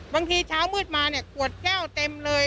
บางทีเช้ามืดมาปวดแก้วเต็มเลย